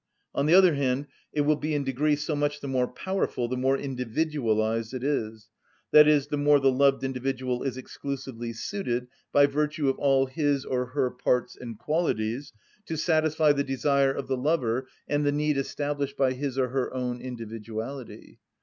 On the other hand, it will be in degree so much the more powerful the more individualised it is; that is, the more the loved individual is exclusively suited, by virtue of all his or her parts and qualities, to satisfy the desire of the lover and the need established by his or her own individuality.